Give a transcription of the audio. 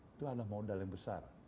itu adalah modal yang besar